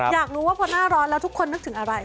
อยากรู้ว่าพอหน้าร้อนแล้วทุกคนนึกถึงอะไร